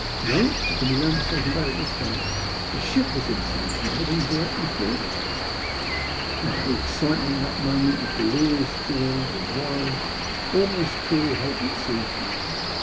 No, there could be no mistake about it this time. A ihip was in sight, and heading directly for us I Oh, the excitement of that moment, the delirious joy, the wild, almost cruel, hope that seized me